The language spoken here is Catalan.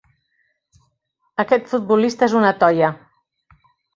Aquest futbolista és una toia.